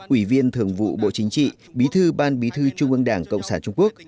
ủy viên thường vụ bộ chính trị bí thư ban bí thư trung ương đảng cộng sản trung quốc